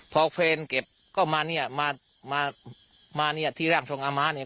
พอแฟนเก็บก็มาเนี่ยมามาเนี่ยที่ร่างทรงอาม้าเนี่ย